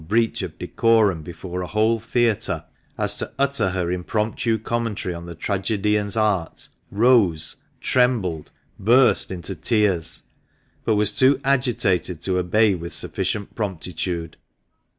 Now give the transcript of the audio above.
breach of decorum before a whole theatre as to utter her impromptu commentary on the tragedian's art, rose, trembled, burst into tears, but was too agitated to obey with sufficient promptitude.